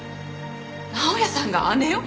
直哉さんが姉を？